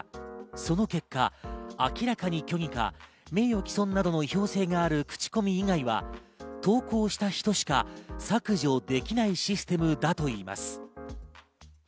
その結果、明らかに虚偽か名誉毀損などの違法性がある口コミ以外は投稿した人しか削除できないシステムだといいます。